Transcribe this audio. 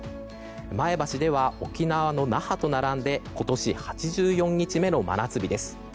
前橋では沖縄の那覇と並んで今年８４日目の真夏日です。